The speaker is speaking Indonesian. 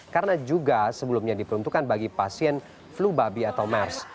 karena juga sebelumnya diperuntukkan bagi pasien flu babi atau mers